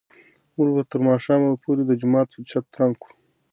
موږ به تر ماښامه پورې د جومات چت رنګ کړو.